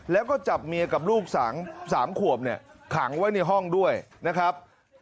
แล้วก็จับเมียกับลูกสัง๓ขวบเนี่ยขังไว้ในห้องด้วยนะครับ